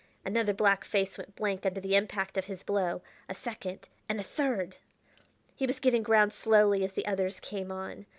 Another black face went blank under the impact of his blow a second and a third! He was giving ground slowly as the others came on.